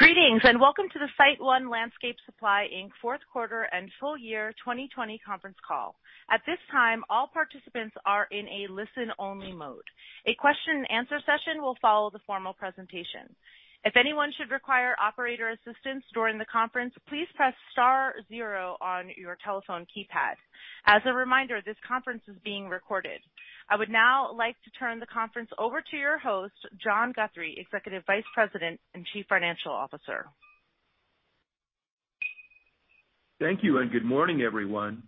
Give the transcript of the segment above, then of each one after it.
Greetings, and welcome to the SiteOne Landscape Supply, Inc. fourth quarter and full year 2020 conference call. At this time, all participants are in a listen-only mode. A question and answer session will follow the formal presentation. If anyone should require operator assistance during the conference, please press star zero on your telephone keypad. As a reminder, this conference is being recorded. I would now like to turn the conference over to your host, John Guthrie, Executive Vice President and Chief Financial Officer. Thank you, and good morning, everyone.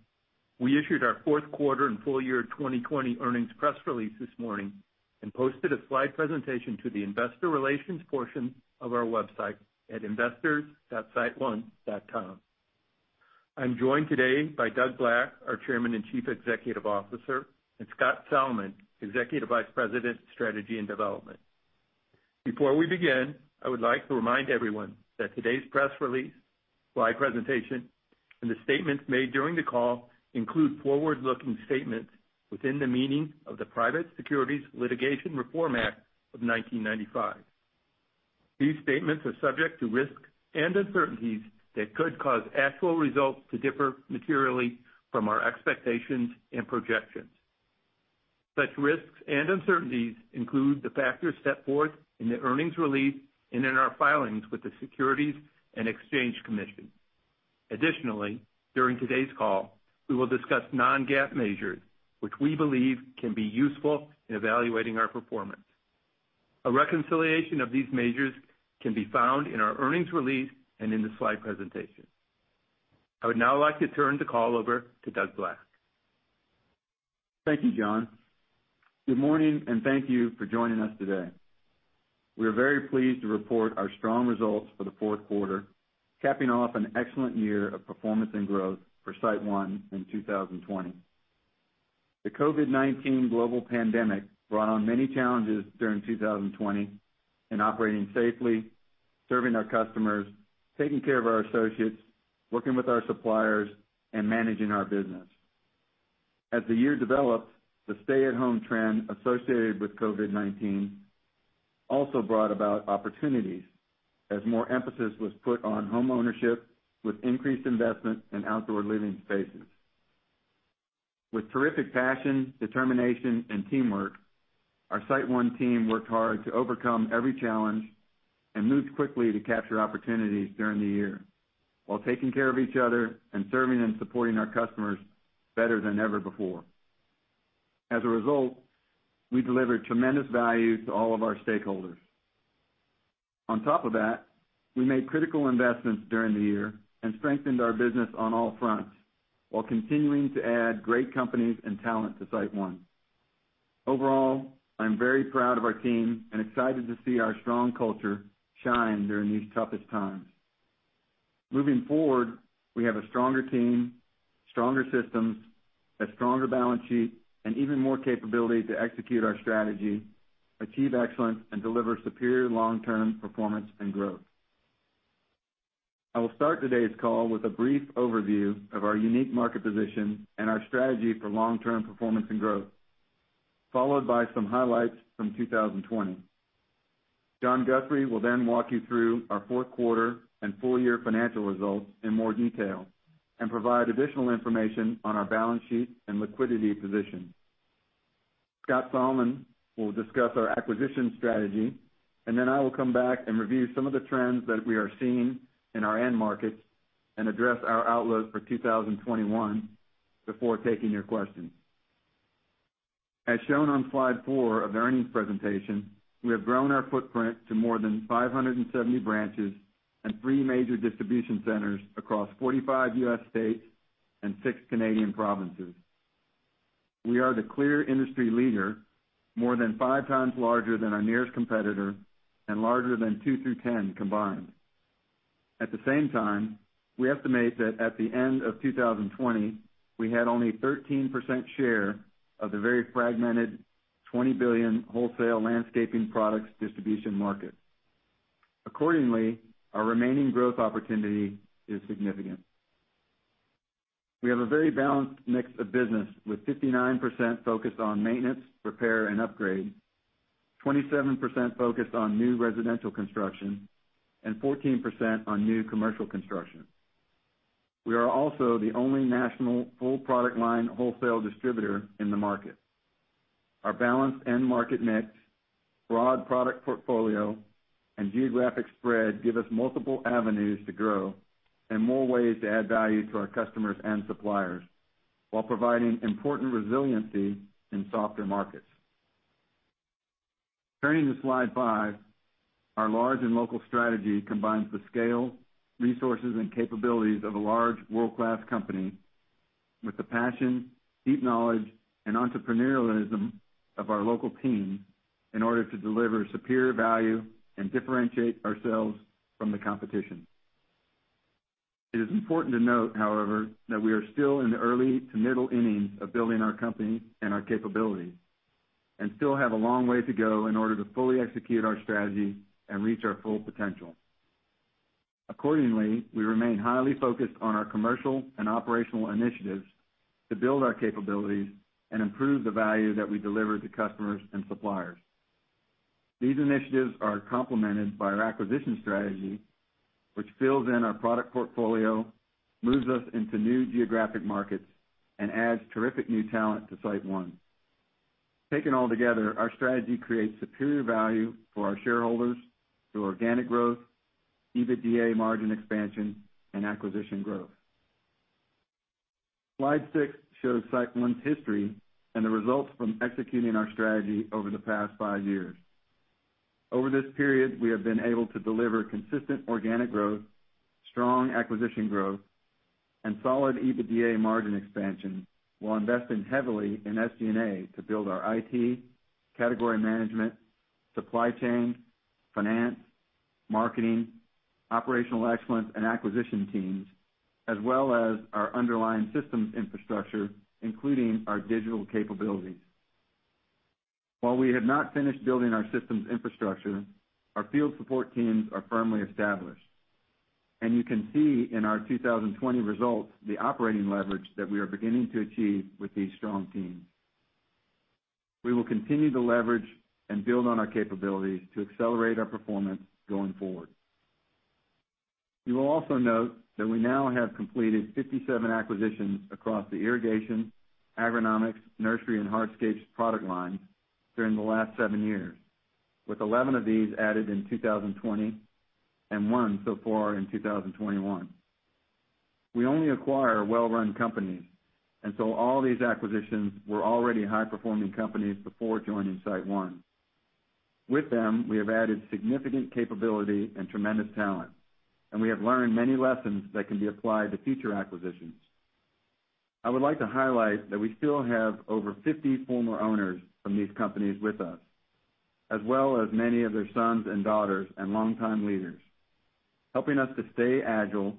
We issued our fourth quarter and full year 2020 earnings press release this morning and posted a slide presentation to the investor relations portion of our website at investors.siteone.com. I'm joined today by Doug Black, our Chairman and Chief Executive Officer, and Scott Salmon, Executive Vice President, Strategy and Development. Before we begin, I would like to remind everyone that today's press release, slide presentation, and the statements made during the call include forward-looking statements within the meaning of the Private Securities Litigation Reform Act of 1995. These statements are subject to risks and uncertainties that could cause actual results to differ materially from our expectations and projections. Such risks and uncertainties include the factors set forth in the earnings release and in our filings with the Securities and Exchange Commission. During today's call, we will discuss non-GAAP measures, which we believe can be useful in evaluating our performance. A reconciliation of these measures can be found in our earnings release and in the slide presentation. I would now like to turn the call over to Doug Black. Thank you, John. Good morning, thank you for joining us today. We are very pleased to report our strong results for the fourth quarter, capping off an excellent year of performance and growth for SiteOne in 2020. The COVID-19 global pandemic brought on many challenges during 2020 in operating safely, serving our customers, taking care of our associates, working with our suppliers, and managing our business. As the year developed, the stay-at-home trend associated with COVID-19 also brought about opportunities as more emphasis was put on homeownership with increased investment in outdoor living spaces. With terrific passion, determination, and teamwork, our SiteOne team worked hard to overcome every challenge and moved quickly to capture opportunities during the year while taking care of each other and serving and supporting our customers better than ever before. As a result, we delivered tremendous value to all of our stakeholders. On top of that, we made critical investments during the year and strengthened our business on all fronts while continuing to add great companies and talent to SiteOne. Overall, I am very proud of our team and excited to see our strong culture shine during these toughest times. Moving forward, we have a stronger team, stronger systems, a stronger balance sheet, and even more capability to execute our strategy, achieve excellence, and deliver superior long-term performance and growth. I will start today's call with a brief overview of our unique market position and our strategy for long-term performance and growth, followed by some highlights from 2020. John Guthrie will then walk you through our fourth quarter and full-year financial results in more detail and provide additional information on our balance sheet and liquidity position. Scott Salmon will discuss our acquisition strategy, and then I will come back and review some of the trends that we are seeing in our end markets and address our outlook for 2021 before taking your questions. As shown on Slide 4 of the earnings presentation, we have grown our footprint to more than 570 branches and three major distribution centers across 45 U.S. states and six Canadian provinces. We are the clear industry leader, more than 5x larger than our nearest competitor and larger than two through 10 combined. At the same time, we estimate that at the end of 2020, we had only 13% share of the very fragmented $20 billion wholesale landscaping products distribution market. Accordingly, our remaining growth opportunity is significant. We have a very balanced mix of business, with 59% focused on maintenance, repair, and upgrade, 27% focused on new residential construction, and 14% on new commercial construction. We are also the only national full-product line wholesale distributor in the market. Our balanced end market mix, broad product portfolio, and geographic spread give us multiple avenues to grow and more ways to add value to our customers and suppliers while providing important resiliency in softer markets. Turning to Slide 5, our large and local strategy combines the scale, resources, and capabilities of a large world-class company with the passion, deep knowledge, and entrepreneurialism of our local team in order to deliver superior value and differentiate ourselves from the competition. It is important to note, however, that we are still in the early to middle innings of building our company and our capabilities and still have a long way to go in order to fully execute our strategy and reach our full potential. We remain highly focused on our commercial and operational initiatives to build our capabilities and improve the value that we deliver to customers and suppliers. These initiatives are complemented by our acquisition strategy, which fills in our product portfolio, moves us into new geographic markets, and adds terrific new talent to SiteOne. Taken all together, our strategy creates superior value for our shareholders through organic growth, EBITDA margin expansion, and acquisition growth. Slide 6 shows SiteOne's history and the results from executing our strategy over the past five years. Over this period, we have been able to deliver consistent organic growth, strong acquisition growth, and solid EBITDA margin expansion while investing heavily in SG&A to build our IT, category management, supply chain, finance, marketing, operational excellence, and acquisition teams, as well as our underlying systems infrastructure, including our digital capabilities. While we have not finished building our systems infrastructure, our field support teams are firmly established. You can see in our 2020 results the operating leverage that we are beginning to achieve with these strong teams. We will continue to leverage and build on our capabilities to accelerate our performance going forward. You will also note that we now have completed 57 acquisitions across the irrigation, agronomics, nursery, and hardscapes product lines during the last seven years, with 11 of these added in 2020 and one so far in 2021. We only acquire well-run companies. All these acquisitions were already high-performing companies before joining SiteOne. With them, we have added significant capability and tremendous talent, and we have learned many lessons that can be applied to future acquisitions. I would like to highlight that we still have over 50 former owners from these companies with us, as well as many of their sons and daughters and longtime leaders, helping us to stay agile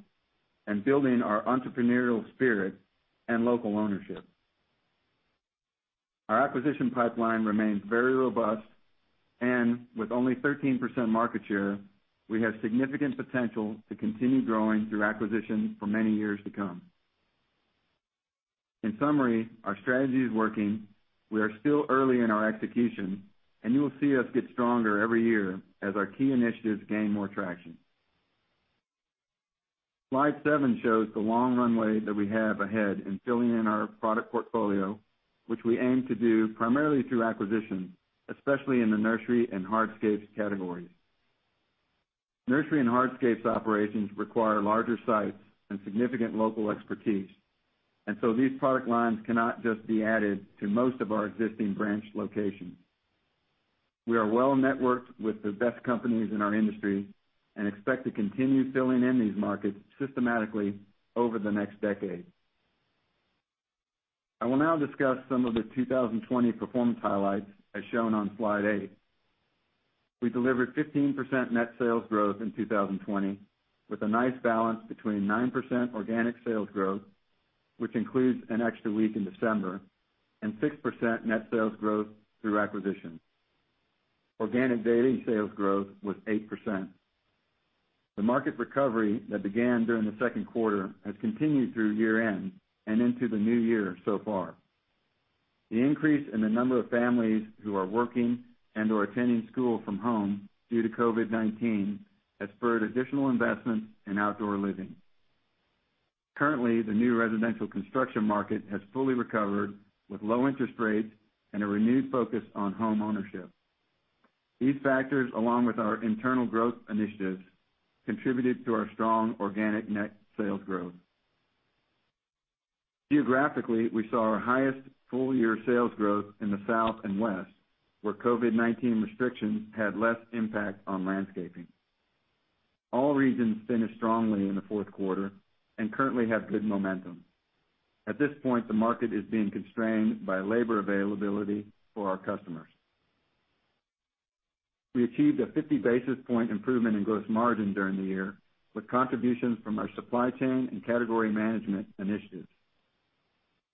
and building our entrepreneurial spirit and local ownership. Our acquisition pipeline remains very robust, and with only 13% market share, we have significant potential to continue growing through acquisitions for many years to come. In summary, our strategy is working. We are still early in our execution, and you will see us get stronger every year as our key initiatives gain more traction. Slide 7 shows the long runway that we have ahead in filling in our product portfolio, which we aim to do primarily through acquisitions, especially in the nursery and hardscapes categories. Nursery and hardscapes operations require larger sites and significant local expertise, these product lines cannot just be added to most of our existing branch locations. We are well-networked with the best companies in our industry and expect to continue filling in these markets systematically over the next decade. I will now discuss some of the 2020 performance highlights, as shown on Slide 8. We delivered 15% net sales growth in 2020 with a nice balance between 9% organic sales growth, which includes an extra week in December, and 6% net sales growth through acquisitions. Organic daily sales growth was 8%. The market recovery that began during the second quarter has continued through year-end and into the new year so far. The increase in the number of families who are working and/or attending school from home due to COVID-19 has spurred additional investment in outdoor living. Currently, the new residential construction market has fully recovered with low interest rates and a renewed focus on homeownership. These factors, along with our internal growth initiatives, contributed to our strong organic net sales growth. Geographically, we saw our highest full-year sales growth in the South and West, where COVID-19 restrictions had less impact on landscaping. All regions finished strongly in the fourth quarter and currently have good momentum. At this point, the market is being constrained by labor availability for our customers. We achieved a 50-basis-point improvement in gross margin during the year with contributions from our supply chain and category management initiatives.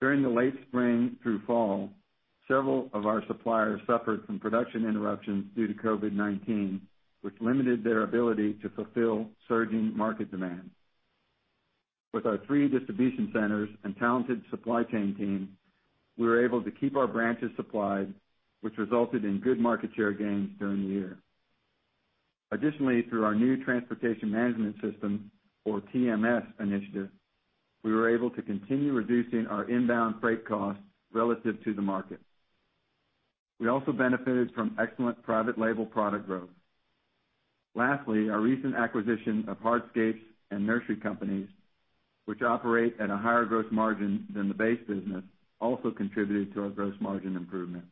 During the late spring through fall, several of our suppliers suffered from production interruptions due to COVID-19, which limited their ability to fulfill surging market demands. With our three distribution centers and talented supply chain team, we were able to keep our branches supplied, which resulted in good market share gains during the year. Additionally, through our new Transportation Management System, or TMS Initiative, we were able to continue reducing our inbound freight costs relative to the market. We also benefited from excellent private label product growth. Lastly, our recent acquisition of hardscapes and nursery companies, which operate at a higher gross margin than the base business, also contributed to our gross margin improvement.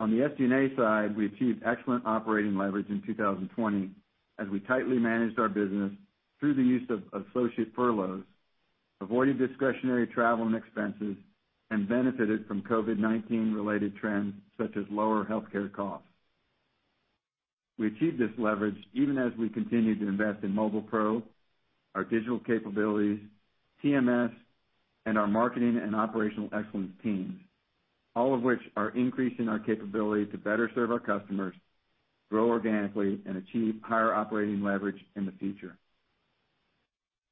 On the SG&A side, we achieved excellent operating leverage in 2020 as we tightly managed our business through the use of associate furloughs, avoiding discretionary travel and expenses, and benefited from COVID-19 related trends such as lower healthcare costs. We achieved this leverage even as we continued to invest in Mobile PRO, our digital capabilities, TMS, and our marketing and operational excellence teams. All of which are increasing our capability to better serve our customers, grow organically, and achieve higher operating leverage in the future.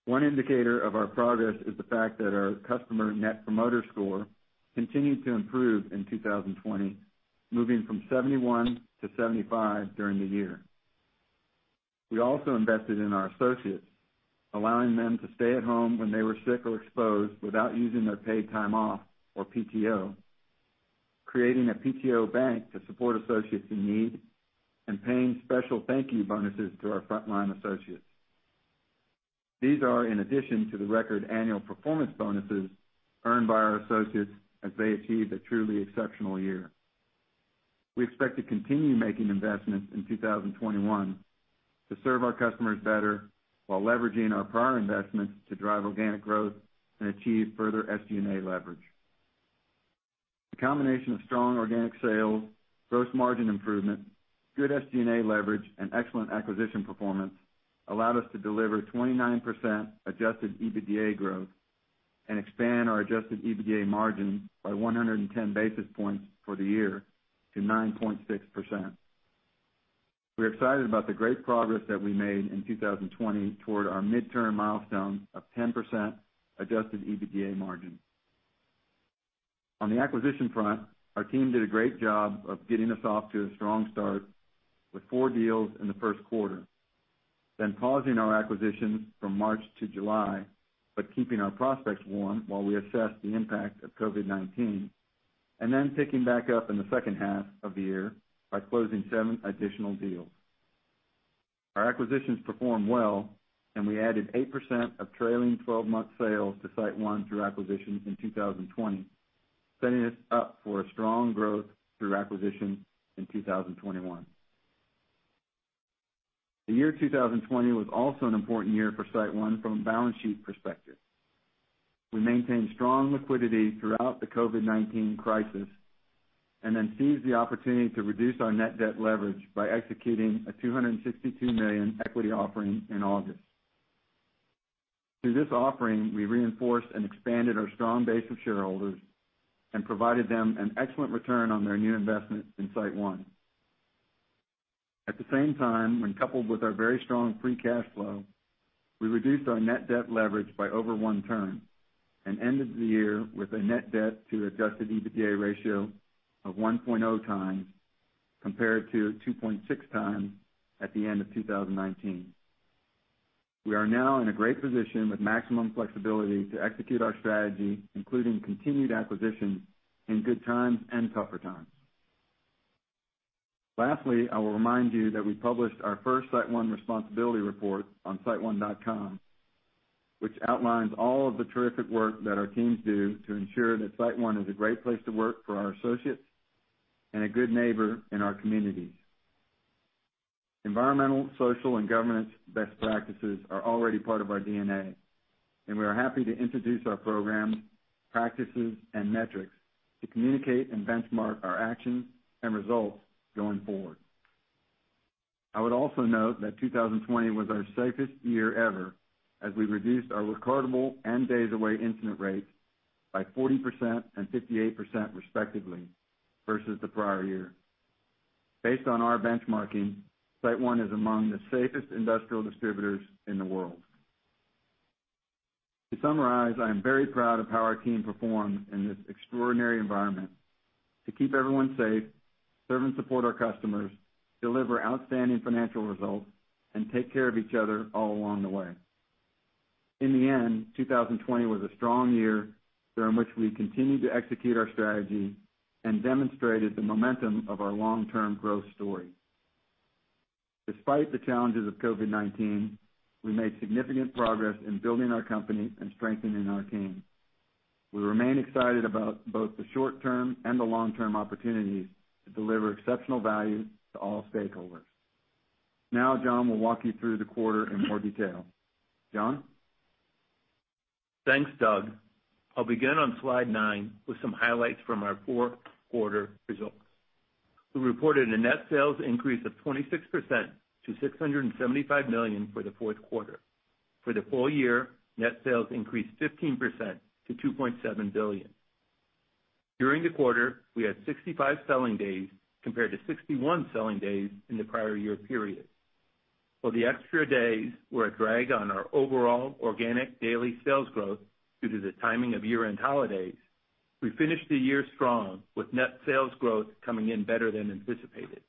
One indicator of our progress is the fact that our customer Net Promoter Score continued to improve in 2020, moving from 71-75 during the year. We also invested in our associates, allowing them to stay at home when they were sick or exposed without using their paid time off or PTO. Creating a PTO bank to support associates in need, and paying special thank you bonuses to our frontline associates. These are in addition to the record annual performance bonuses earned by our associates as they achieved a truly exceptional year. We expect to continue making investments in 2021 to serve our customers better while leveraging our prior investments to drive organic growth and achieve further SG&A leverage. The combination of strong organic sales, gross margin improvement, good SG&A leverage, and excellent acquisition performance allowed us to deliver 29% adjusted EBITDA growth and expand our adjusted EBITDA margin by 110 basis points for the year to 9.6%. We're excited about the great progress that we made in 2020 toward our midterm milestone of 10% adjusted EBITDA margin. On the acquisition front, our team did a great job of getting us off to a strong start with four deals in the first quarter, then pausing our acquisitions from March to July, but keeping our prospects warm while we assessed the impact of COVID-19, and then picking back up in the second half of the year by closing seven additional deals. We added 8% of trailing 12-month sales to SiteOne through acquisitions in 2020, setting us up for a strong growth through acquisitions in 2021. The year 2020 was also an important year for SiteOne from a balance sheet perspective. We maintained strong liquidity throughout the COVID-19 crisis and then seized the opportunity to reduce our net debt leverage by executing a $262 million equity offering in August. Through this offering, we reinforced and expanded our strong base of shareholders and provided them an excellent return on their new investment in SiteOne. At the same time, when coupled with our very strong free cash flow, we reduced our net debt leverage by over one term and ended the year with a net debt to adjusted EBITDA ratio of 1.0x, compared to 2.6x at the end of 2019. We are now in a great position with maximum flexibility to execute our strategy, including continued acquisitions in good times and tougher times. Lastly, I will remind you that we published our first SiteOne Responsibility Report on siteone.com, which outlines all of the terrific work that our teams do to ensure that SiteOne is a great place to work for our associates and a good neighbor in our communities. Environmental, social, and governance best practices are already part of our DNA, and we are happy to introduce our program, practices, and metrics to communicate and benchmark our actions and results going forward. I would also note that 2020 was our safest year ever, as we reduced our recordable and days away incident rates by 40% and 58% respectively versus the prior year. Based on our benchmarking, SiteOne is among the safest industrial distributors in the world. To summarize, I am very proud of how our team performed in this extraordinary environment to keep everyone safe, serve and support our customers, deliver outstanding financial results, and take care of each other all along the way. In the end, 2020 was a strong year during which we continued to execute our strategy and demonstrated the momentum of our long-term growth story. Despite the challenges of COVID-19, we made significant progress in building our company and strengthening our team. We remain excited about both the short-term and the long-term opportunities to deliver exceptional value to all stakeholders. Now, John will walk you through the quarter in more detail. John? Thanks, Doug. I'll begin on Slide 9 with some highlights from our fourth quarter results. We reported a net sales increase of 26% to $675 million for the fourth quarter. For the full year, net sales increased 15% to $2.7 billion. During the quarter, we had 65 selling days compared to 61 selling days in the prior year period. The extra days were a drag on our overall organic daily sales growth due to the timing of year-end holidays. We finished the year strong with net sales growth coming in better than anticipated.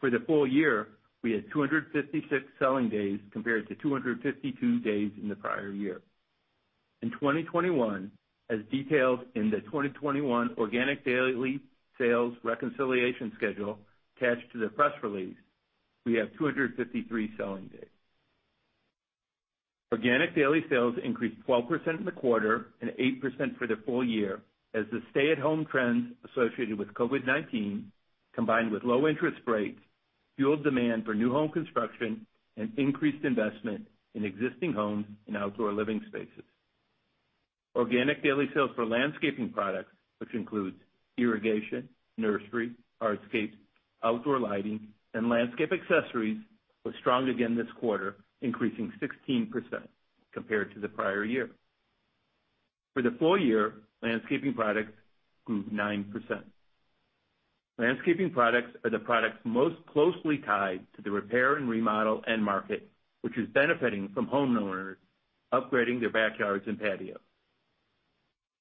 For the full year, we had 256 selling days compared to 252 days in the prior year. In 2021, as detailed in the 2021 Organic Daily Sales Reconciliation Schedule attached to the press release, we have 253 selling days. Organic daily sales increased 12% in the quarter and 8% for the full year as the stay-at-home trends associated with COVID-19, combined with low interest rates, fueled demand for new home construction and increased investment in existing homes and outdoor living spaces. Organic daily sales for landscaping products, which includes irrigation, nursery, hardscapes, Outdoor lighting and landscape accessories were strong again this quarter, increasing 16% compared to the prior year. For the full year, landscaping products grew 9%. Landscaping products are the products most closely tied to the repair and remodel end market, which is benefiting from homeowners upgrading their backyards and patios.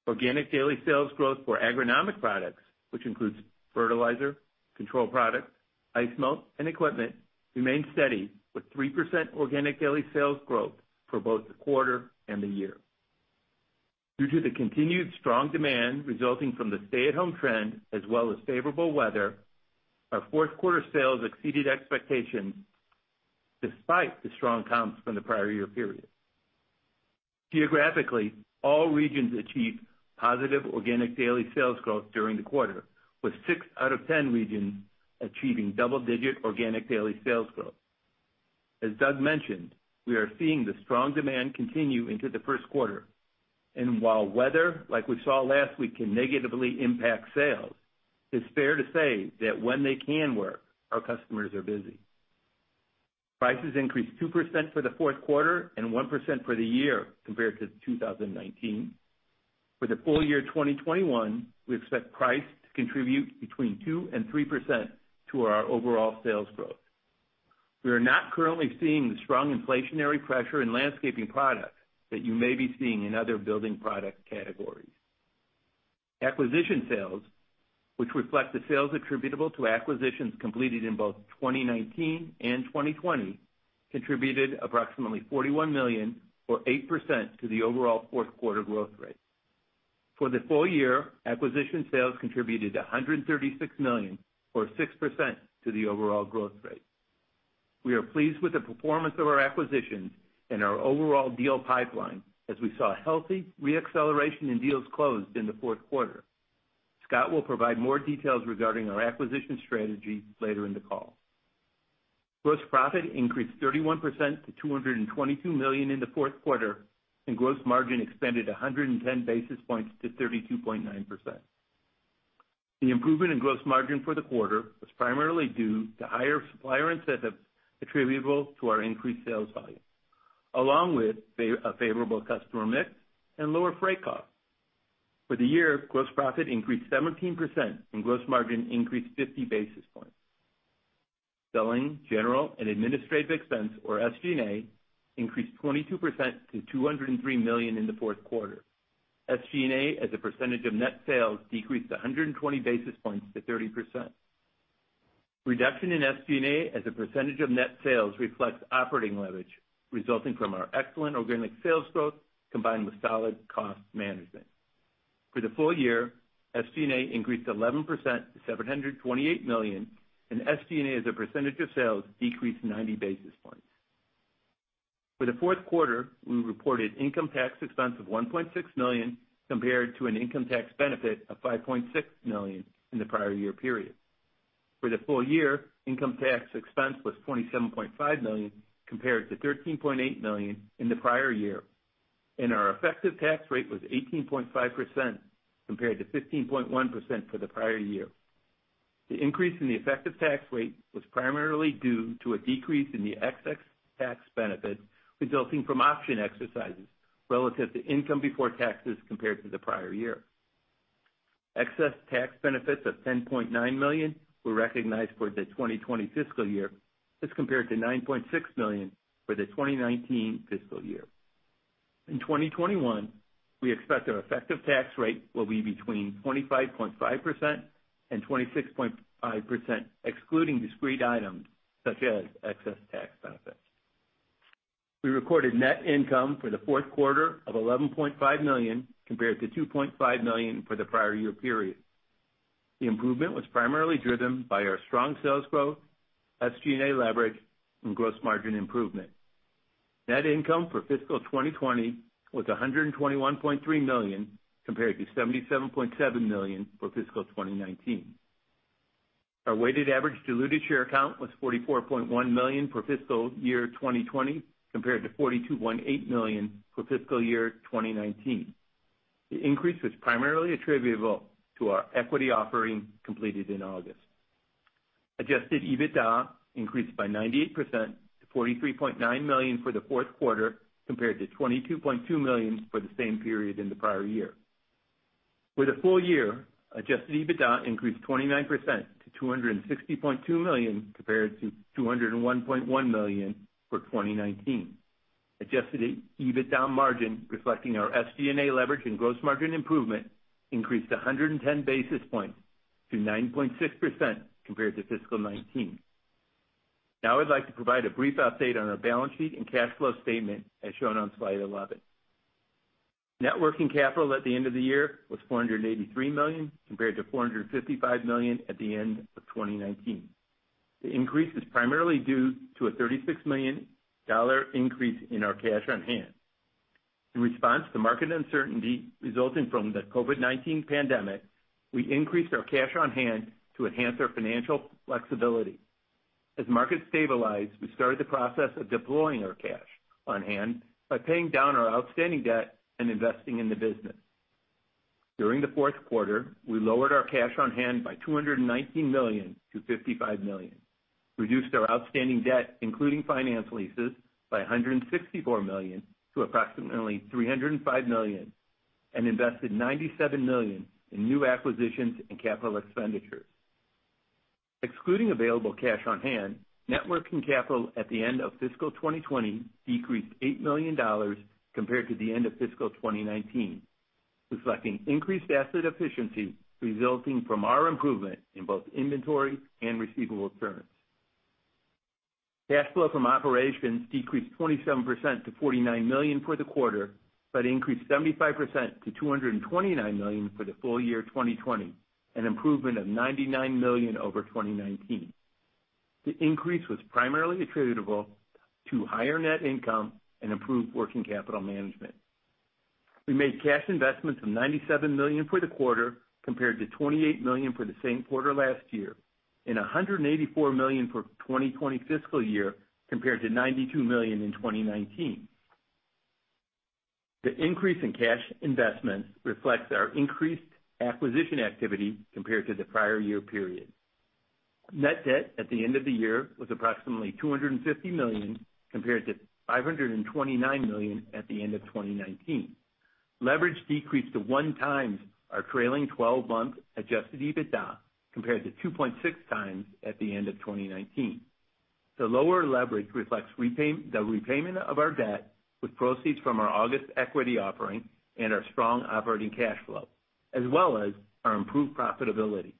Organic daily sales growth for agronomic products, which includes fertilizer, control products, ice melt, and equipment, remained steady with 3% organic daily sales growth for both the quarter and the year. Due to the continued strong demand resulting from the stay-at-home trend, as well as favorable weather, our fourth quarter sales exceeded expectations despite the strong comps from the prior year period. Geographically, all regions achieved positive organic daily sales growth during the quarter, with six out of 10 regions achieving double-digit organic daily sales growth. As Doug mentioned, we are seeing the strong demand continue into the first quarter, and while weather, like we saw last week, can negatively impact sales, it's fair to say that when they can work, our customers are busy. Prices increased 2% for the fourth quarter and 1% for the year compared to 2019. For the full year 2021, we expect price to contribute between 2% and 3% to our overall sales growth. We are not currently seeing the strong inflationary pressure in landscaping products that you may be seeing in other building product categories. Acquisition sales, which reflect the sales attributable to acquisitions completed in both 2019 and 2020, contributed approximately $41 million or 8% to the overall fourth quarter growth rate. For the full year, acquisition sales contributed $136 million or 6% to the overall growth rate. We are pleased with the performance of our acquisitions and our overall deal pipeline as we saw a healthy re-acceleration in deals closed in the fourth quarter. Scott will provide more details regarding our acquisition strategy later in the call. Gross profit increased 31% to $222 million in the fourth quarter and gross margin expanded 110 basis points to 32.9%. The improvement in gross margin for the quarter was primarily due to higher supplier incentive attributable to our increased sales volume, along with a favorable customer mix and lower freight costs. For the year, gross profit increased 17% and gross margin increased 50 basis points. Selling, general, and administrative expense, or SG&A, increased 22% to $203 million in the fourth quarter. SG&A as a percentage of net sales decreased 120 basis points to 30%. Reduction in SG&A as a percentage of net sales reflects operating leverage resulting from our excellent organic sales growth, combined with solid cost management. For the full year, SG&A increased 11% to $728 million, and SG&A as a percentage of sales decreased 90 basis points. For the fourth quarter, we reported income tax expense of $1.6 million compared to an income tax benefit of $5.6 million in the prior year period. For the full year, income tax expense was $27.5 million compared to $13.8 million in the prior year, and our effective tax rate was 18.5% compared to 15.1% for the prior year. The increase in the effective tax rate was primarily due to a decrease in the excess tax benefit resulting from option exercises relative to income before taxes compared to the prior year. Excess tax benefits of $10.9 million were recognized for the 2020 fiscal year as compared to $9.6 million for the 2019 fiscal year. In 2021, we expect our effective tax rate will be between 25.5% and 26.5%, excluding discrete items such as excess tax benefits. We recorded net income for the fourth quarter of $11.5 million compared to $2.5 million for the prior year period. The improvement was primarily driven by our strong sales growth, SG&A leverage, and gross margin improvement. Net income for fiscal 2020 was $121.3 million compared to $77.7 million for fiscal 2019. Our weighted average diluted share count was 44.1 million for fiscal year 2020 compared to 42.8 million for fiscal year 2019. The increase was primarily attributable to our equity offering completed in August. Adjusted EBITDA increased by 98% to $43.9 million for the fourth quarter, compared to $22.2 million for the same period in the prior year. For the full year, Adjusted EBITDA increased 29% to $260.2 million compared to $201.1 million for 2019. Adjusted EBITDA margin, reflecting our SG&A leverage and gross margin improvement, increased 110 basis points to 9.6% compared to fiscal 2019. Now I'd like to provide a brief update on our balance sheet and cash flow statement as shown on Slide 11. Net working capital at the end of the year was $483 million, compared to $455 million at the end of 2019. The increase is primarily due to a $36 million increase in our cash on hand. In response to market uncertainty resulting from the COVID-19 pandemic, we increased our cash on hand to enhance our financial flexibility. As markets stabilized, we started the process of deploying our cash on hand by paying down our outstanding debt and investing in the business. During the fourth quarter, we lowered our cash on hand by $219 million to $55 million, reduced our outstanding debt, including finance leases, by $164 million to approximately $305 million, and invested $97 million in new acquisitions and capital expenditures. Excluding available cash on hand, networking capital at the end of fiscal 2020 decreased $8 million compared to the end of fiscal 2019, reflecting increased asset efficiency resulting from our improvement in both inventory and receivable terms. Cash flow from operations decreased 27% to $49 million for the quarter, but increased 75% to $229 million for the full year 2020, an improvement of $99 million over 2019. The increase was primarily attributable to higher net income and improved working capital management. We made cash investments of $97 million for the quarter, compared to $28 million for the same quarter last year, and $184 million for 2020 fiscal year, compared to $92 million in 2019. The increase in cash investments reflects our increased acquisition activity compared to the prior year period. Net debt at the end of the year was approximately $250 million compared to $529 million at the end of 2019. Leverage decreased to 1x our trailing 12-month adjusted EBITDA compared to 2.6x at the end of 2019. The lower leverage reflects the repayment of our debt with proceeds from our August equity offering and our strong operating cash flow, as well as our improved profitability.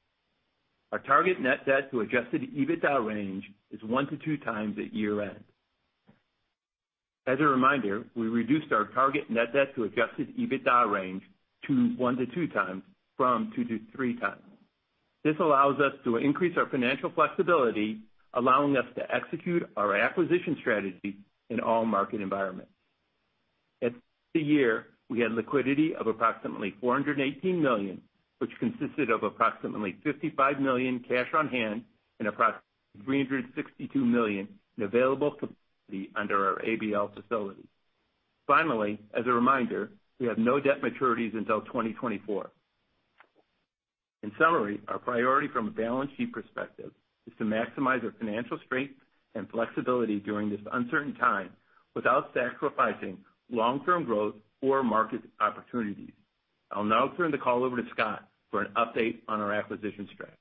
Our target net debt to adjusted EBITDA range is 1x-2x at year-end. As a reminder, we reduced our target net debt to adjusted EBITDA range to 1x-2x from 2x-3x. This allows us to increase our financial flexibility, allowing us to execute our acquisition strategy in all market environments. At the year, we had liquidity of approximately $418 million, which consisted of approximately $55 million cash on hand and approximately $362 million in available facility under our ABL facility. Finally, as a reminder, we have no debt maturities until 2024. In summary, our priority from a balance sheet perspective is to maximize our financial strength and flexibility during this uncertain time without sacrificing long-term growth or market opportunities. I'll now turn the call over to Scott for an update on our acquisition strategy.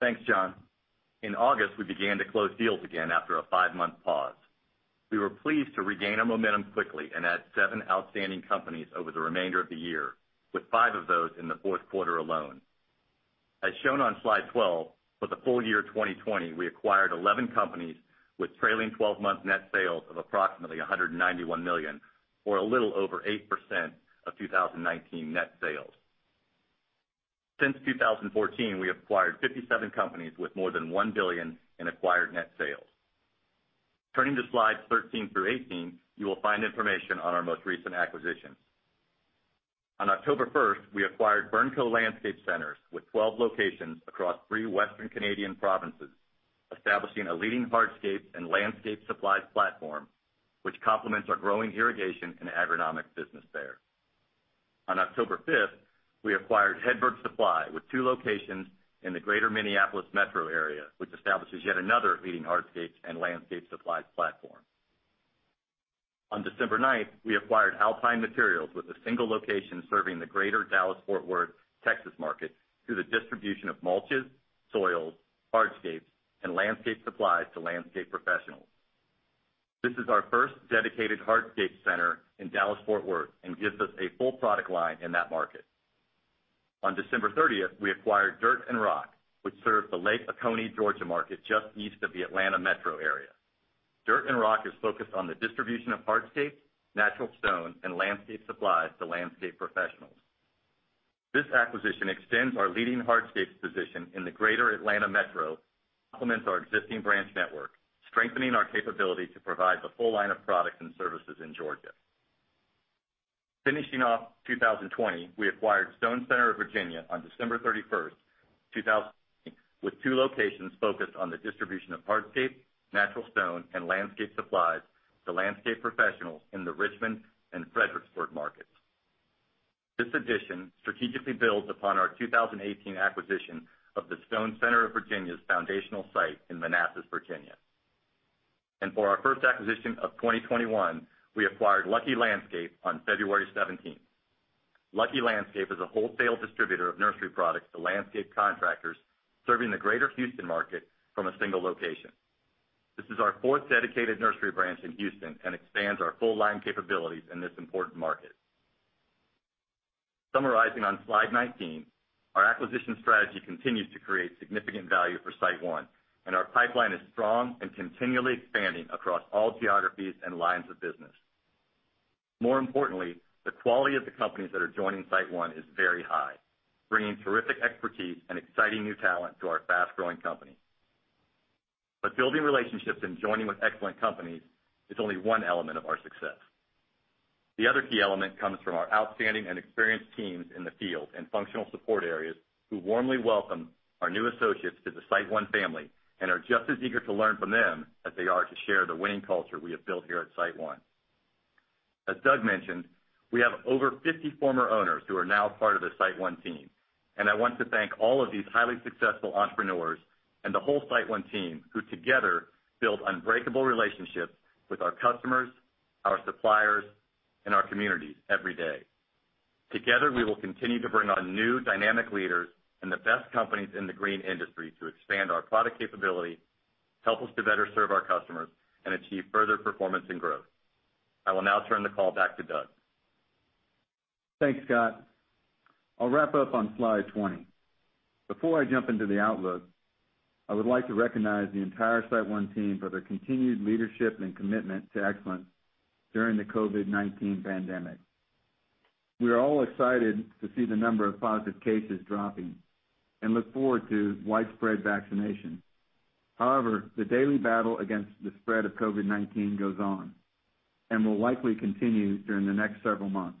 Thanks, John. In August, we began to close deals again after a five-month pause. We were pleased to regain our momentum quickly and add seven outstanding companies over the remainder of the year, with five of those in the fourth quarter alone. As shown on Slide 12, for the full year 2020, we acquired 11 companies with trailing 12-month net sales of approximately $191 million, or a little over 8% of 2019 net sales. Since 2014, we acquired 57 companies with more than $1 billion in acquired net sales. Turning to Slides 13 through 18, you will find information on our most recent acquisitions. On October 1st, we acquired BURNCO Landscape Centres with 12 locations across three Western Canadian provinces, establishing a leading hardscape and landscape supplies platform, which complements our growing irrigation and agronomic business there. On October 5th, we acquired Hedberg Supply with two locations in the greater Minneapolis metro area, which establishes yet another leading hardscape and landscape supplies platform. On December 9th, we acquired Alpine Materials with a single location serving the greater Dallas-Fort Worth Texas market through the distribution of mulches, soils, hardscapes, and landscape supplies to landscape professionals. This is our first dedicated hardscape center in Dallas-Fort Worth and gives us a full product line in that market. On December 30th, we acquired Dirt and Rock, which served the Lake Oconee, Georgia market just east of the Atlanta metro area. Dirt and Rock is focused on the distribution of hardscape, natural stone, and landscape supplies to landscape professionals. This acquisition extends our leading hardscapes position in the greater Atlanta metro, complements our existing branch network, strengthening our capability to provide the full line of products and services in Georgia. Finishing off 2020, we acquired Stone Center of Virginia on December 31st, 2020, with two locations focused on the distribution of hardscape, natural stone, and landscape supplies to landscape professionals in the Richmond and Fredericksburg markets. This addition strategically builds upon our 2018 acquisition of the Stone Center of Virginia's foundational site in Manassas, Virginia. For our first acquisition of 2021, we acquired Lucky Landscape on February 17th. Lucky Landscape is a wholesale distributor of nursery products to landscape contractors serving the Greater Houston market from a single location. This is our fourth dedicated nursery branch in Houston and expands our full-line capabilities in this important market. Summarizing on Slide 19, our acquisition strategy continues to create significant value for SiteOne, and our pipeline is strong and continually expanding across all geographies and lines of business. More importantly, the quality of the companies that are joining SiteOne is very high, bringing terrific expertise and exciting new talent to our fast-growing company. Building relationships and joining with excellent companies is only one element of our success. The other key element comes from our outstanding and experienced teams in the field and functional support areas who warmly welcome our new associates to the SiteOne family and are just as eager to learn from them as they are to share the winning culture we have built here at SiteOne. As Doug mentioned, we have over 50 former owners who are now part of the SiteOne team, and I want to thank all of these highly successful entrepreneurs and the whole SiteOne team, who together build unbreakable relationships with our customers, our suppliers, and our communities every day. Together, we will continue to bring on new dynamic leaders and the best companies in the green industry to expand our product capability, help us to better serve our customers, and achieve further performance and growth. I will now turn the call back to Doug. Thanks, Scott. I'll wrap up on Slide 20. Before I jump into the outlook, I would like to recognize the entire SiteOne team for their continued leadership and commitment to excellence during the COVID-19 pandemic. We are all excited to see the number of positive cases dropping and look forward to widespread vaccination. However, the daily battle against the spread of COVID-19 goes on and will likely continue during the next several months.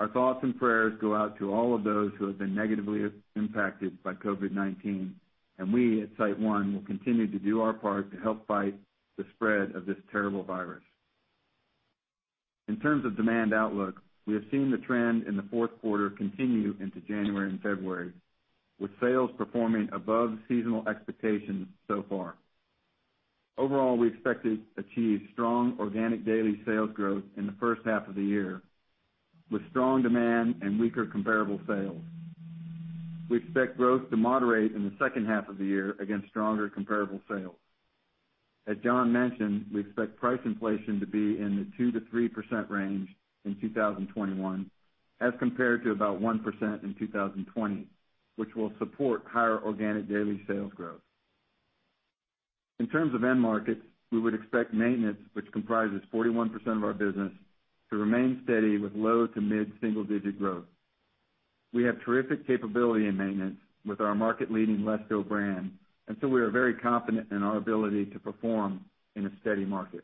Our thoughts and prayers go out to all of those who have been negatively impacted by COVID-19, and we at SiteOne will continue to do our part to help fight the spread of this terrible virus. In terms of demand outlook, we have seen the trend in the fourth quarter continue into January and February, with sales performing above seasonal expectations so far. Overall, we expect to achieve strong organic daily sales growth in the first half of the year, with strong demand and weaker comparable sales. We expect growth to moderate in the second half of the year against stronger comparable sales. As John mentioned, we expect price inflation to be in the 2%-3% range in 2021 as compared to about 1% in 2020, which will support higher organic daily sales growth. In terms of end markets, we would expect maintenance, which comprises 41% of our business, to remain steady with low to mid-single-digit growth. We have terrific capability in maintenance with our market-leading LESCO brand, and so we are very confident in our ability to perform in a steady market.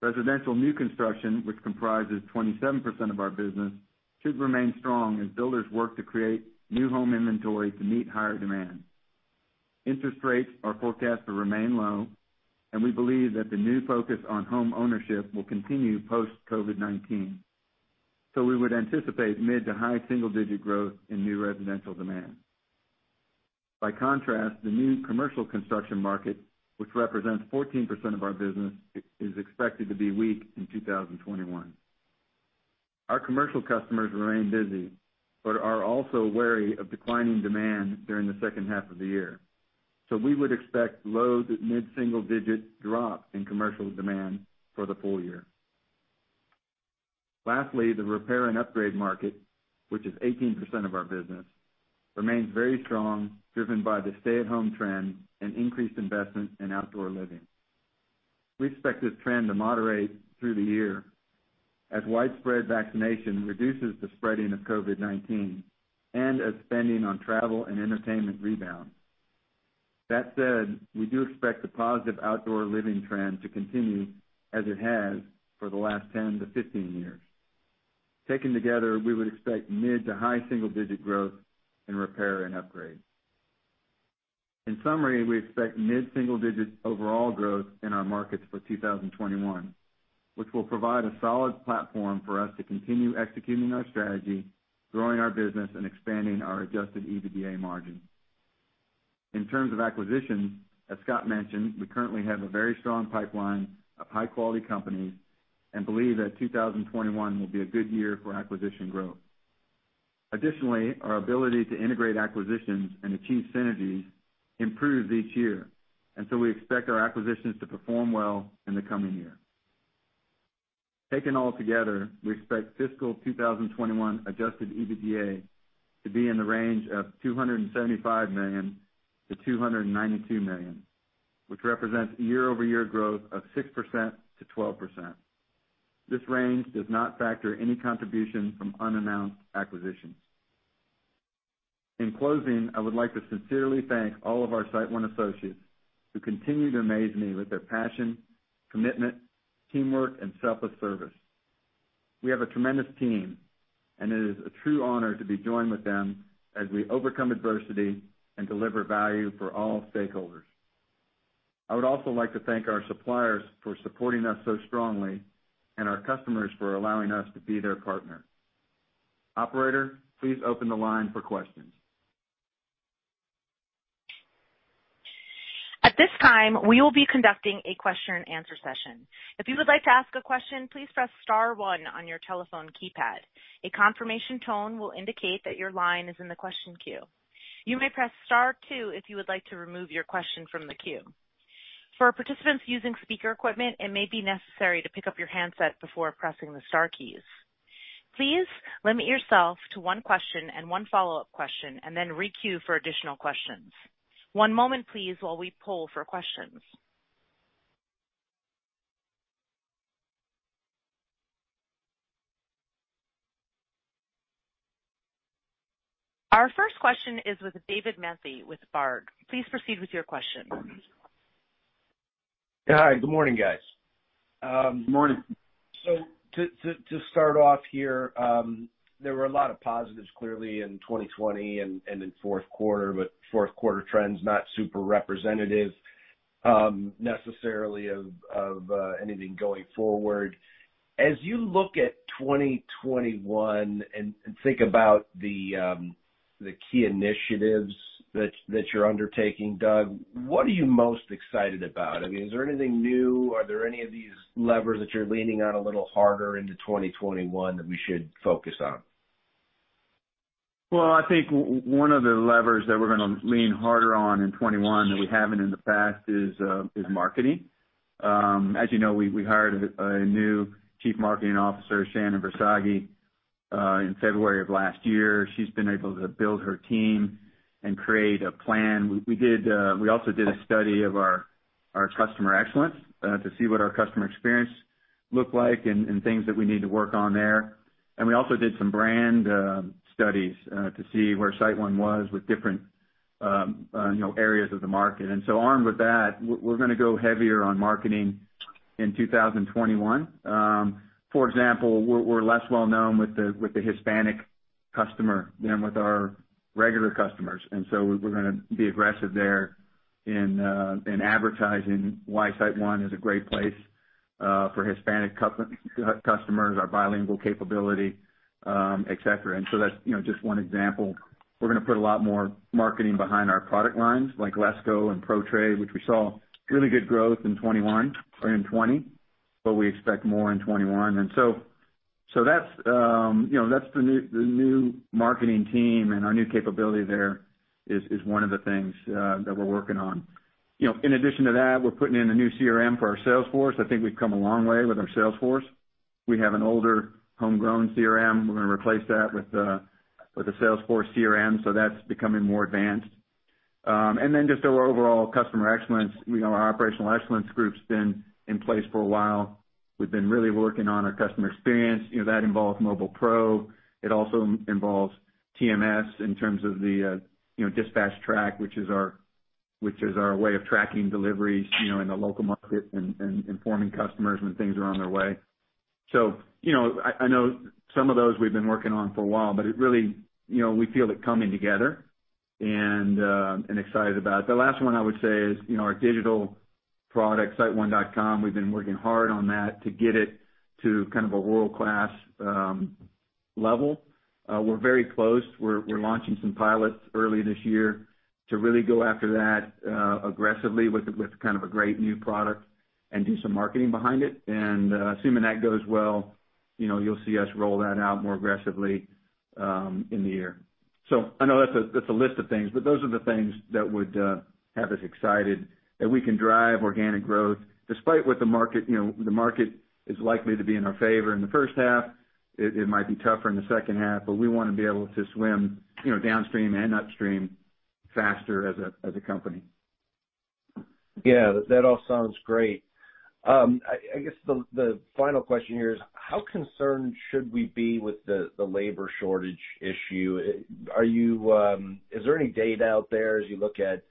Residential new construction, which comprises 27% of our business, should remain strong as builders work to create new home inventory to meet higher demand. Interest rates are forecast to remain low, and we believe that the new focus on homeownership will continue post-COVID-19. We would anticipate mid to high single-digit growth in new residential demand. By contrast, the new commercial construction market, which represents 14% of our business, is expected to be weak in 2021. Our commercial customers remain busy but are also wary of declining demand during the second half of the year. We would expect low to mid-single-digit drops in commercial demand for the full year. Lastly, the repair and upgrade market, which is 18% of our business, remains very strong, driven by the stay-at-home trend and increased investment in outdoor living. We expect this trend to moderate through the year as widespread vaccination reduces the spreading of COVID-19 and as spending on travel and entertainment rebound. That said, we do expect the positive outdoor living trend to continue as it has for the last 10-15 years. Taken together, we would expect mid to high single-digit growth in repair and upgrade. In summary, we expect mid-single-digit overall growth in our markets for 2021, which will provide a solid platform for us to continue executing our strategy, growing our business, and expanding our adjusted EBITDA margin. In terms of acquisitions, as Scott mentioned, we currently have a very strong pipeline of high-quality companies and believe that 2021 will be a good year for acquisition growth. Additionally, our ability to integrate acquisitions and achieve synergies improves each year, and so we expect our acquisitions to perform well in the coming year. Taken all together, we expect fiscal 2021 adjusted EBITDA to be in the range of $275 million-$292 million, which represents year-over-year growth of 6%-12%. This range does not factor any contribution from unannounced acquisitions. In closing, I would like to sincerely thank all of our SiteOne associates, who continue to amaze me with their passion, commitment, teamwork, and selfless service. We have a tremendous team, and it is a true honor to be joined with them as we overcome adversity and deliver value for all stakeholders. I would also like to thank our suppliers for supporting us so strongly and our customers for allowing us to be their partner. Operator, please open the line for questions. At this time, we will be conducting a question and answer session. If you would like to ask a question, please press star one on your telephone keypad. A confirmation tone will indicate that your line is in the question queue. You may press star two if you would like to remove your question from the queue. For participants using speaker equipment, it may be necessary to pick up your handset before pressing the star keys. Please limit yourself to one question and one follow-up question, and then re-queue for additional questions. One moment, please, while we poll for questions. Our first question is with David Manthey with Baird. Please proceed with your question. Hi. Good morning, guys. Good morning. To start off here, there were a lot of positives, clearly, in 2020 and in fourth quarter, fourth quarter trends not super representative necessarily of anything going forward. As you look at 2021 and think about the key initiatives that you're undertaking, Doug, what are you most excited about? Is there anything new? Are there any of these levers that you're leaning on a little harder into 2021 that we should focus on? Well, I think one of the levers that we're going to lean harder on in 2021 that we haven't in the past is marketing. As you know, we hired a new Chief Marketing Officer, Shannon Versaggi, in February of last year. She's been able to build her team and create a plan. We also did a study of our customer excellence to see what our customer experience looked like and things that we need to work on there. We also did some brand studies to see where SiteOne was with different areas of the market. Armed with that, we're going to go heavier on marketing in 2021. For example, we're less well-known with the Hispanic customer than with our regular customers. We're going to be aggressive there in advertising why SiteOne is a great place for Hispanic customers, our bilingual capability, etc. That's just one example. We're going to put a lot more marketing behind our product lines, like LESCO and Pro-Trade, which we saw really good growth in 2020, but we expect more in 2021. That's the new marketing team and our new capability there is one of the things that we're working on. In addition to that, we're putting in a new CRM for our sales force. I think we've come a long way with our sales force. We have an older homegrown CRM. We're going to replace that with a Salesforce CRM, so that's becoming more advanced. Just our overall customer excellence. Our operational excellence group's been in place for a while. We've been really working on our customer experience. That involves Mobile PRO. It also involves TMS in terms of the DispatchTrack, which is our way of tracking deliveries in the local market and informing customers when things are on their way. I know some of those we've been working on for a while, but we feel it coming together, and excited about it. The last one I would say is our digital product, siteone.com. We've been working hard on that to get it to kind of a world-class level. We're very close. We're launching some pilots early this year to really go after that aggressively with kind of a great new product and do some marketing behind it. Assuming that goes well, you'll see us roll that out more aggressively in the year. I know that's a list of things, but those are the things that would have us excited that we can drive organic growth despite the market is likely to be in our favor in the first half. It might be tougher in the second half, but we want to be able to swim downstream and upstream faster as a company. Yeah, that all sounds great. I guess the final question here is how concerned should we be with the labor shortage issue? Is there any data out there as you look at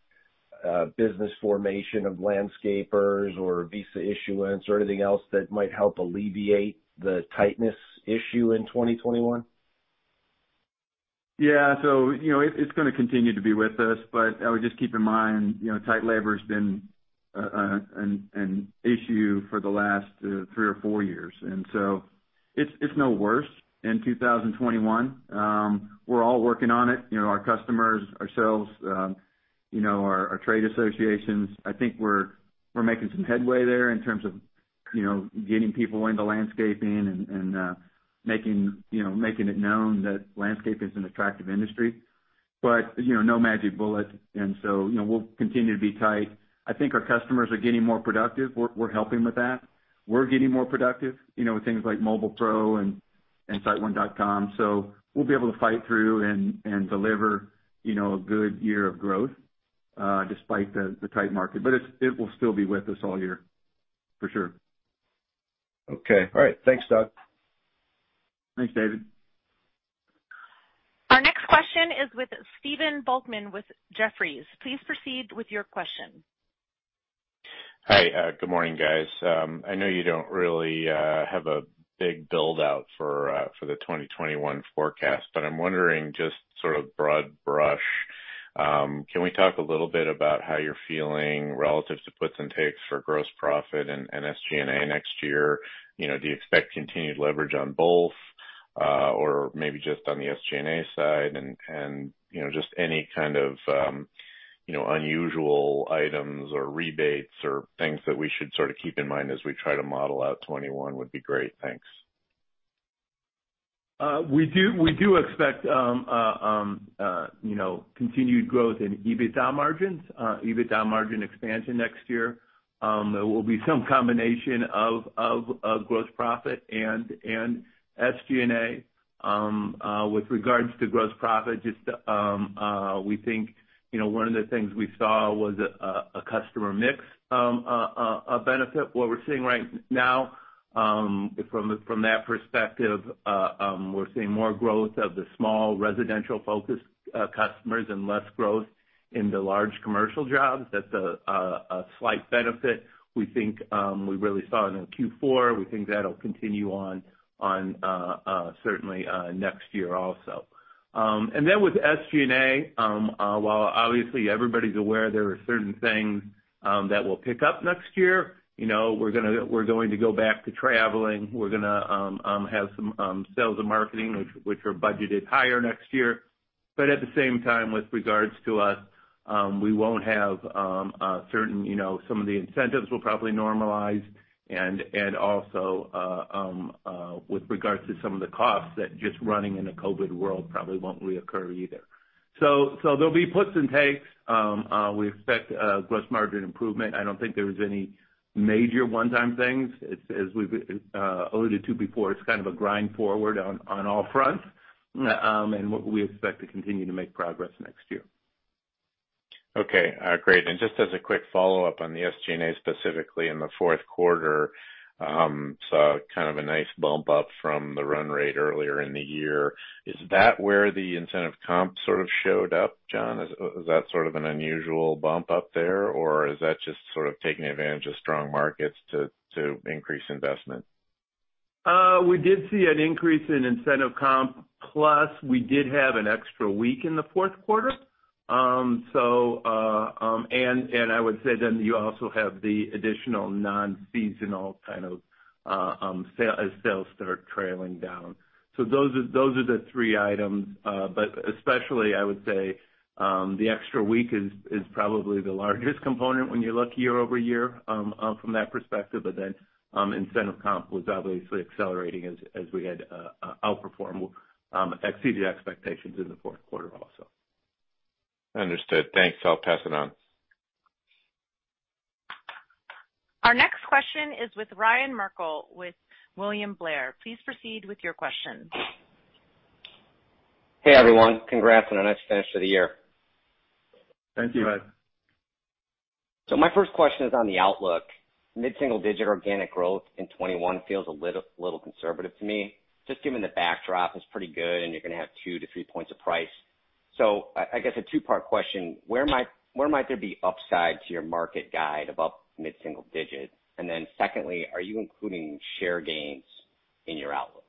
business formation of landscapers or visa issuance or anything else that might help alleviate the tightness issue in 2021? Yeah. It's going to continue to be with us. I would just keep in mind, tight labor has been an issue for the last three or four years, it's no worse in 2021. We're all working on it, our customers, ourselves, our trade associations. I think we're making some headway there in terms of getting people into landscaping and making it known that landscape is an attractive industry. No magic bullet. We'll continue to be tight. I think our customers are getting more productive. We're helping with that. We're getting more productive, with things like Mobile PRO and siteone.com. We'll be able to fight through and deliver a good year of growth despite the tight market. It will still be with us all year for sure. Okay. All right. Thanks, Doug. Thanks, David. Our next question is with Stephen Volkmann with Jefferies. Please proceed with your question. Hi. Good morning, guys. I know you don't really have a big build-out for the 2021 forecast, but I'm wondering, just sort of broad brush, can we talk a little bit about how you're feeling relative to puts and takes for gross profit and SG&A next year? Do you expect continued leverage on both or maybe just on the SG&A side? And just any kind of unusual items or rebates or things that we should sort of keep in mind as we try to model out 2021 would be great. Thanks. We do expect continued growth in EBITDA margins. EBITDA margin expansion next year. There will be some combination of gross profit and SG&A. With regards to gross profit, we think one of the things we saw was a customer mix benefit. What we're seeing right now from that perspective, we're seeing more growth of the small residential-focused customers and less growth. In the large commercial jobs, that's a slight benefit. We think we really saw it in Q4. We think that'll continue on certainly next year also. Then with SG&A, while obviously everybody's aware there are certain things that will pick up next year. We're going to go back to traveling. We're going to have some sales and marketing, which are budgeted higher next year. At the same time, with regards to us, we won't have certain, some of the incentives will probably normalize and also with regards to some of the costs that just running in a COVID world probably won't reoccur either. There'll be puts and takes. We expect gross margin improvement. I don't think there is any major one-time things. As we've alluded to before, it's kind of a grind forward on all fronts, and we expect to continue to make progress next year. Okay. Great. Just as a quick follow-up on the SG&A, specifically in the fourth quarter, saw kind of a nice bump up from the run rate earlier in the year. Is that where the incentive comp sort of showed up, John? Is that sort of an unusual bump up there, or is that just sort of taking advantage of strong markets to increase investment? We did see an increase in incentive comp, plus we did have an extra week in the fourth quarter. I would say you also have the additional non-seasonal kind of sales start trailing down. Those are the three items. Especially, I would say, the extra week is probably the largest component when you look year-over-year from that perspective. Incentive comp was obviously accelerating as we had outperformed, exceeded expectations in the fourth quarter also. Understood. Thanks. I'll pass it on. Our next question is with Ryan Merkel with William Blair. Please proceed with your question. Hey, everyone. Congrats on a nice finish to the year. Thank you. Thanks, Ryan. My first question is on the outlook. Mid-single digit organic growth in 2021 feels a little conservative to me, just given the backdrop is pretty good and you're going to have two to three points of price. I guess a two-part question, where might there be upside to your market guide above mid-single digit? Secondly, are you including share gains in your outlook?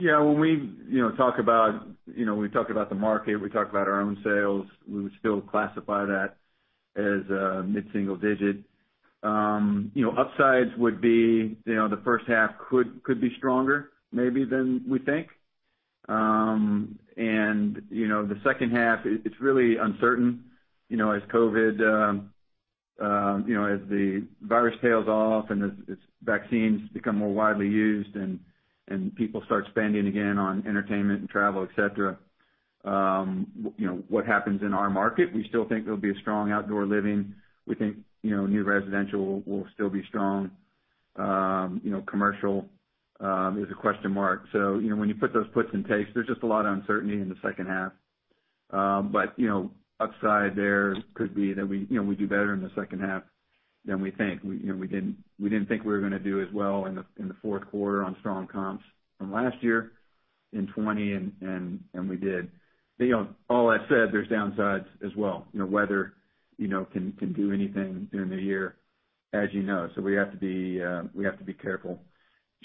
When we talk about the market, we talk about our own sales, we would still classify that as mid-single digit. Upsides would be the first half could be stronger maybe than we think. The second half, it's really uncertain as COVID-19, as the virus tails off and as vaccines become more widely used and people start spending again on entertainment and travel, etc, what happens in our market? We still think there'll be a strong outdoor living. We think new residential will still be strong. Commercial is a question mark. When you put those puts in takes, there's just a lot of uncertainty in the second half. Upside there could be that we do better in the second half than we think. We didn't think we were going to do as well in the fourth quarter on strong comps from last year in 2020. We did. All that said, there's downsides as well. Weather can do anything during the year, as you know. We have to be careful.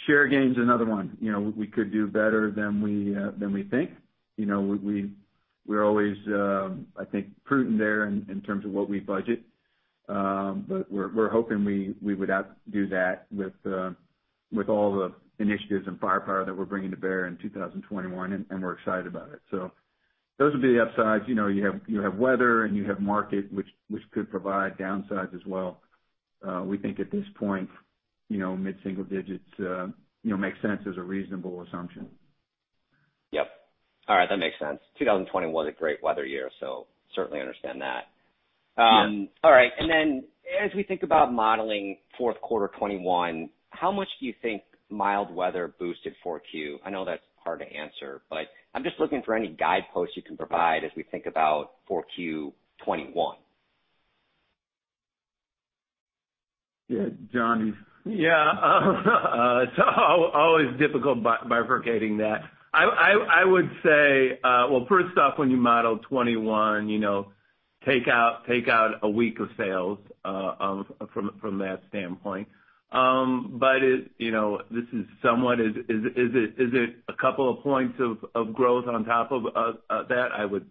Share gain's another one. We could do better than we think. We're always, I think, prudent there in terms of what we budget. We're hoping we would outdo that with all the initiatives and firepower that we're bringing to bear in 2021. We're excited about it. Those would be the upsides. You have weather and you have market, which could provide downsides as well. We think at this point, mid-single digits make sense as a reasonable assumption. Yep. All right. That makes sense. 2020 was a great weather year, so certainly understand that. Yeah. All right. Then as we think about modeling fourth quarter 2021, how much do you think mild weather boosted 4Q? I know that's hard to answer, but I'm just looking for any guideposts you can provide as we think about 4Q 2021. Yeah. John? Yeah. It's always difficult bifurcating that. I would say, well, first off, when you model 2021, take out a week of sales from that standpoint. Is it a couple of points of growth on top of that?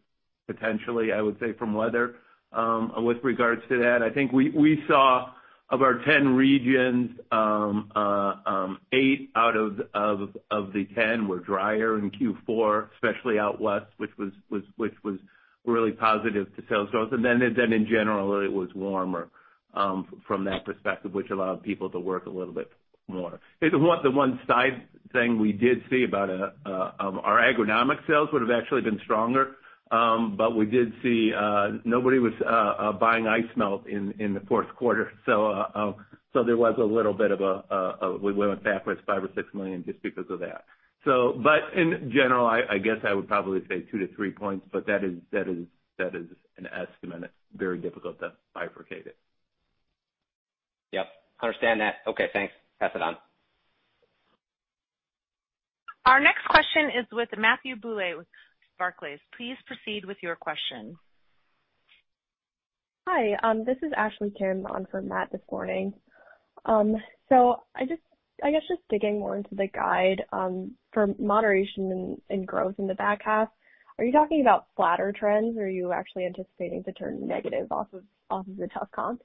Potentially, I would say from weather. With regards to that, I think we saw, of our 10 regions, eight out of the 10 were drier in Q4, especially out West, which was really positive to sales growth. In general, it was warmer from that perspective, which allowed people to work a little bit more. The one side thing we did see about our agronomic sales would've actually been stronger. We did see nobody was buying ice melt in the fourth quarter. We went backwards $5 million or $6 million just because of that. In general, I guess I would probably say two to three points, but that is an estimate. It is very difficult to bifurcate it. Yep. Understand that. Okay, thanks. Pass it on. Our next question is with Matthew Bouley with Barclays. Please proceed with your question. Hi, this is Ashley carrying on for Matt this morning. I guess just digging more into the guide for moderation and growth in the back half. Are you talking about flatter trends, or are you actually anticipating to turn negative off of the tough comps?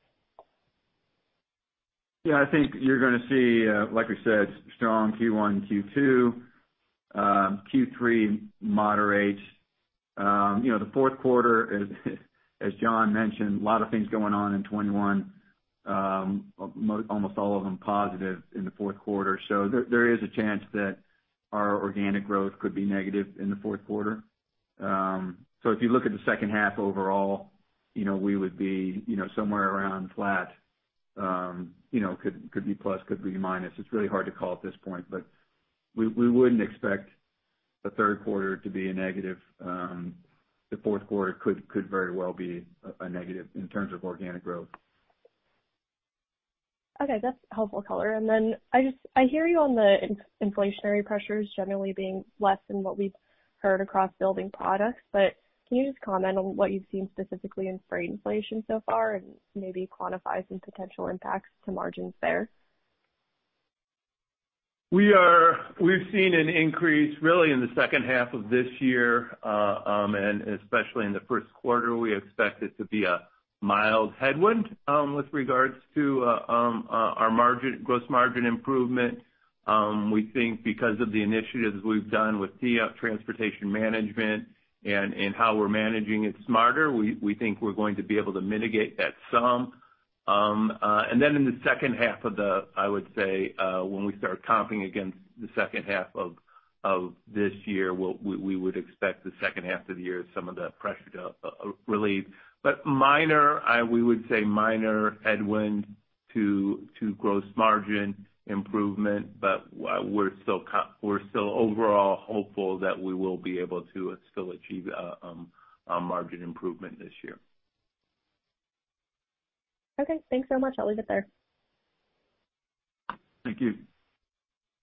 Yeah, I think you're going to see, like we said, strong Q1, Q2. Q3 moderate. The fourth quarter, as John mentioned, a lot of things going on in 2021. Almost all of them positive in the fourth quarter. There is a chance that our organic growth could be negative in the fourth quarter. If you look at the second half overall, we would be somewhere around flat. Could be plus, could be minus. It's really hard to call at this point, but we wouldn't expect the third quarter to be a negative. The fourth quarter could very well be a negative in terms of organic growth. Okay, that's helpful color. I hear you on the inflationary pressures generally being less than what we've heard across building products. Can you just comment on what you've seen specifically in freight inflation so far and maybe quantify some potential impacts to margins there? We've seen an increase really in the second half of this year. Especially in the first quarter, we expect it to be a mild headwind with regards to our gross margin improvement. We think because of the initiatives we've done with transportation management and how we're managing it smarter, we think we're going to be able to mitigate that some. Then in the second half of the, I would say, when we start comping against the second half of this year, we would expect the second half of the year, some of the pressure to relieve. We would say minor headwind to gross margin improvement. We're still overall hopeful that we will be able to still achieve a margin improvement this year. Okay, thanks so much. I'll leave it there. Thank you.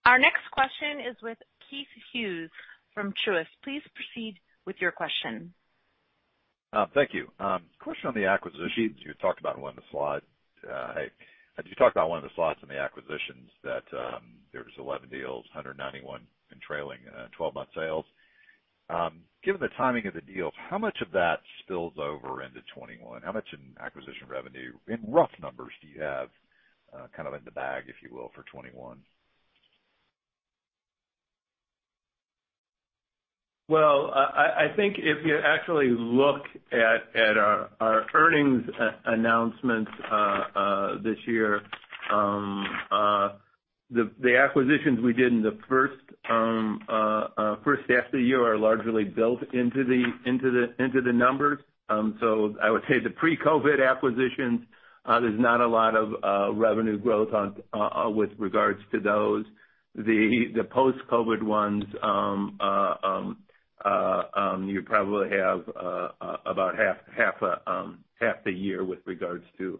Our next question is with Keith Hughes from Truist. Please proceed with your question. Thank you. Question on the acquisitions. You talked about one of the slides and the acquisitions that there was 11 deals, $191 in trailing 12-month sales. Given the timing of the deals, how much of that spills over into 2021? How much in acquisition revenue, in rough numbers, do you have kind of in the bag, if you will, for 2021? I think if you actually look at our earnings announcements this year. The acquisitions we did in the first half of the year are largely built into the numbers. I would say the pre-COVID acquisitions, there's not a lot of revenue growth with regards to those. The post-COVID ones, you probably have about half a year with regards to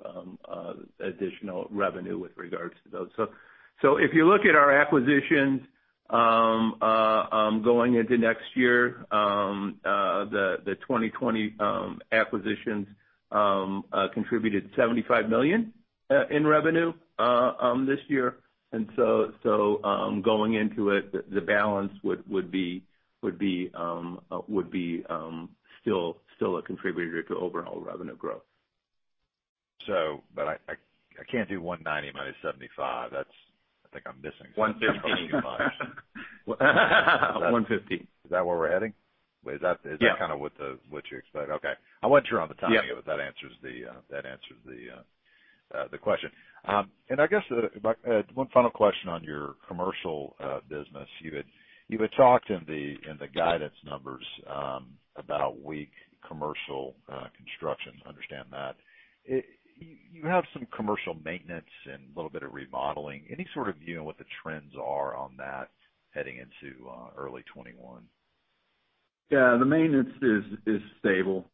additional revenue with regards to those. If you look at our acquisitions going into next year, the 2020 acquisitions contributed $75 million in revenue this year. Going into it, the balance would be still a contributor to overall revenue growth. I can't do 190 minus 75. I think I'm missing something. 115. I'm probably doing too much. 115. Is that where we're heading? Yeah. Kind of what you expect? Okay. I wasn't sure on the timing of it. Yeah. That answers the question. I guess one final question on your commercial business. You had talked in the guidance numbers about weak commercial construction. Understand that. You have some commercial maintenance and a little bit of remodeling. Any sort of view on what the trends are on that heading into early 2021? Yeah, the maintenance is stable.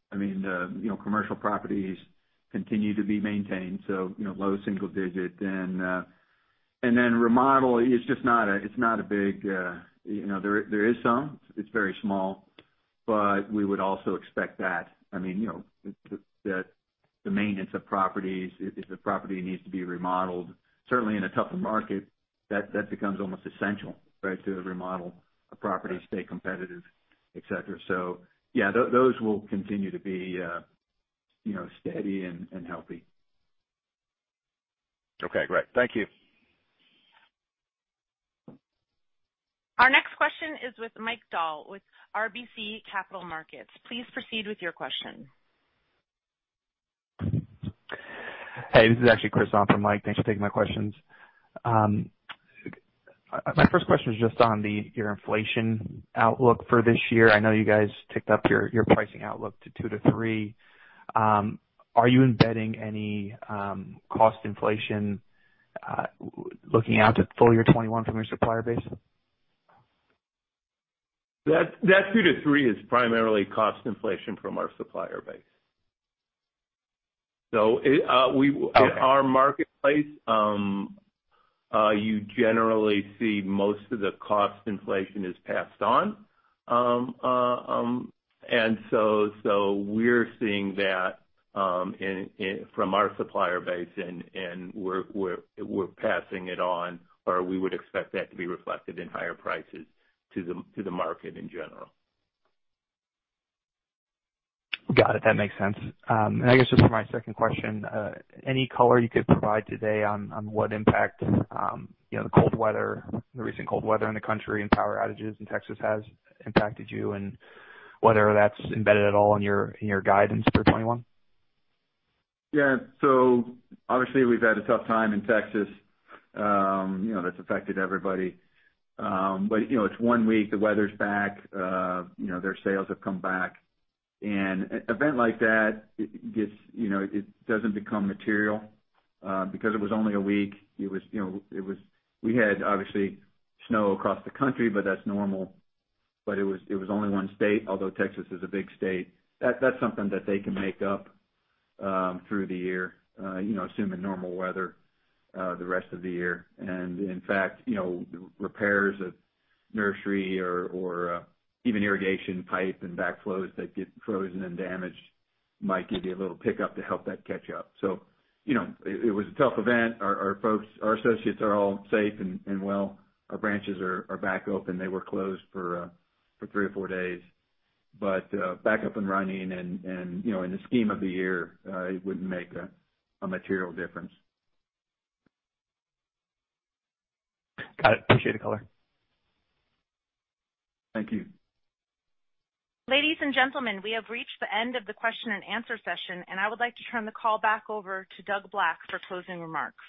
Commercial properties continue to be maintained. Low single digit. Remodel, there is some, it's very small, but we would also expect that. The maintenance of properties, if the property needs to be remodeled, certainly in a tougher market, that becomes almost essential to remodel a property to stay competitive, etc. Yeah, those will continue to be steady and healthy. Okay, great. Thank you. Our next question is with Mike Dahl, with RBC Capital Markets. Please proceed with your question. Hey, this is actually Chris on for Mike. Thanks for taking my questions. My first question is just on your inflation outlook for this year. I know you guys ticked up your pricing outlook to 2%-3%. Are you embedding any cost inflation looking out to full year 2021 from your supplier base? That two to three is primarily cost inflation from our supplier base. In our marketplace, you generally see most of the cost inflation is passed on. We're seeing that from our supplier base, and we're passing it on, or we would expect that to be reflected in higher prices to the market in general. Got it. That makes sense. I guess just for my second question, any color you could provide today on what impact, the recent cold weather in the country and power outages in Texas has impacted you, and whether that's embedded at all in your guidance for 2021? Yeah. Obviously, we've had a tough time in Texas. That's affected everybody. It's one week, the weather's back, their sales have come back. An event like that, it doesn't become material, because it was only a week. We had, obviously, snow across the country, but that's normal. It was only one state, although Texas is a big state. That's something that they can make up through the year, assuming normal weather the rest of the year. In fact, repairs at nursery or even irrigation pipe and backflows that get frozen and damaged might give you a little pickup to help that catch up. It was a tough event. Our associates are all safe and well. Our branches are back open. They were closed for three or four days. Back up and running, and in the scheme of the year, it wouldn't make a material difference. Got it. Appreciate the color. Thank you. Ladies and gentlemen, we have reached the end of the question and answer session, and I would like to turn the call back over to Doug Black for closing remarks.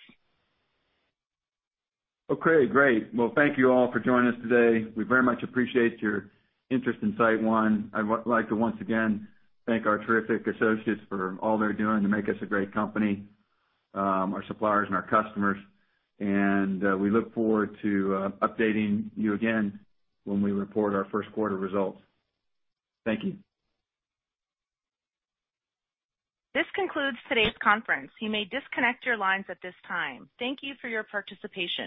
Okay, great. Well, thank you all for joining us today. We very much appreciate your interest in SiteOne. I'd like to once again thank our terrific associates for all they're doing to make us a great company, our suppliers, and our customers. We look forward to updating you again when we report our first quarter results. Thank you. This concludes today's conference. You may disconnect your lines at this time. Thank you for your participation.